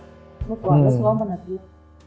เมื่อก่อนก็ซ้อมวันอาทิตย์